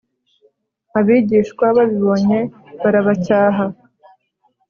abigishwa babibonye barabacyaha